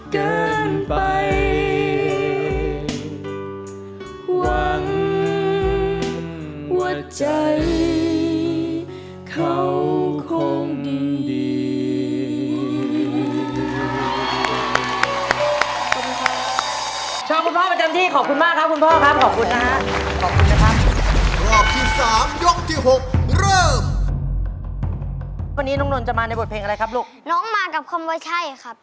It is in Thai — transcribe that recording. เกินไปหวังว่าใจเขาคงดี